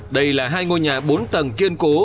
đây là hai ngôi nhà bốn tầng kiên cố